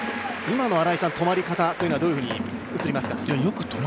今の止まり方はどういうふうに映りますか。